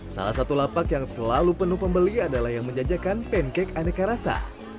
salah satu lapak yang selalu penuh pembeli adalah yang menjajakan pancake aneka rasa